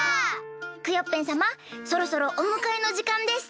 クヨッペンさまそろそろおむかえのじかんです。